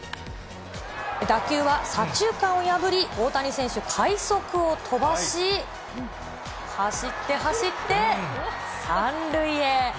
打球は左中間を破り、大谷選手、快足を飛ばし、走って走って、３塁へ。